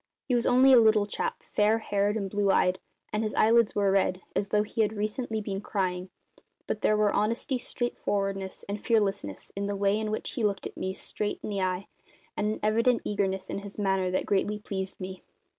He was only a little chap, fair haired and blue eyed, and his eyelids were red, as though he had recently been crying; but there were honesty, straightforwardness, and fearlessness in the way in which he looked me straight in the eye, and an evident eagerness in his manner that greatly pleased me.